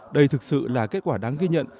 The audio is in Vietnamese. đây thực sự là kết quả đáng ghi nhận